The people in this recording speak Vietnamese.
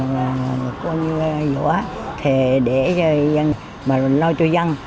mình cũng như vua thề để cho dân mà lo cho dân